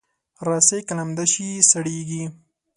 رسۍ که لمده شي، سړېږي.